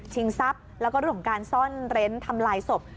ทรัพย์แล้วก็เรื่องของการซ่อนเร้นทำลายศพ